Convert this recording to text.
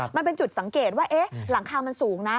มันเป็นจุดสังเกตว่าหลังคามันสูงนะ